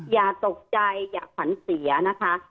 อย่าตกใจอย่าขวัญเสียนะคะ